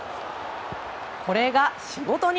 これが仕事人。